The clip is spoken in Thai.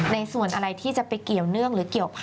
ในส่วนอะไรที่จะไปเกี่ยวเนื่องหรือเกี่ยวพันธ